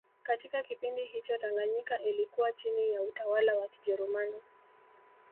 Katika kipindi hicho Tanganyika ilikuwa chini ya utawala wa Kijerumani